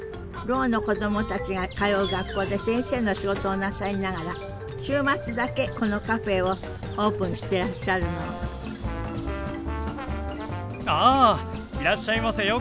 ろうの子供たちが通う学校で先生の仕事をなさりながら週末だけこのカフェをオープンしてらっしゃるのあいらっしゃいませ。